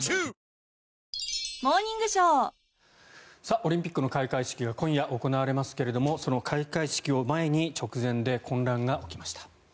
オリンピックの開会式が今夜行われますけれどもその開会式を前に直前で混乱が起きました。